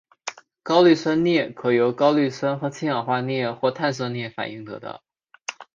高氯酸镍可由高氯酸和氢氧化镍或碳酸镍反应得到。